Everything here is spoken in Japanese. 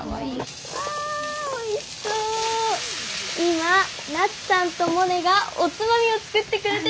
今菜津さんとモネがおつまみを作ってくれてます！